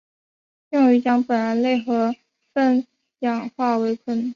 用于将苯胺类和酚氧化为醌。